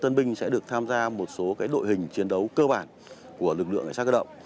tân binh sẽ được tham gia một số đội hình chiến đấu cơ bản của lực lượng cảnh sát cơ động